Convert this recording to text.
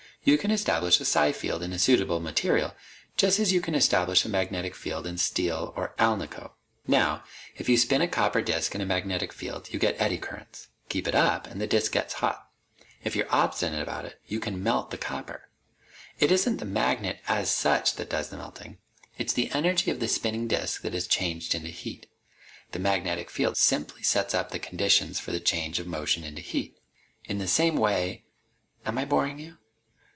You can establish a psi field in a suitable material, just as you can establish a magnetic field in steel or alnico. Now, if you spin a copper disk in a magnetic field, you get eddy currents. Keep it up, and the disk gets hot. If you're obstinate about it, you can melt the copper. It isn't the magnet, as such, that does the melting. It's the energy of the spinning disk that is changed into heat. The magnetic field simply sets up the conditions for the change of motion into heat. In the same way ... am I boring you?"